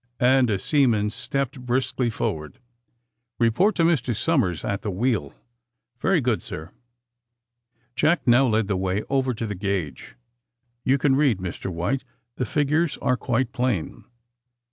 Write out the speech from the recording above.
'' and a seaman stepped briskly forward. *^ Report to Mr. Somers at the wheel.'' *^Very good, sir." Jack now led the way over to the gange. ''You can read, Mr. White. The figures are quite plain."